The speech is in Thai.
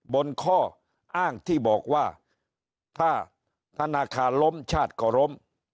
บนข้ออ้างที่บอกว่าถ้าธนาคารล้มชาติก็ล้ม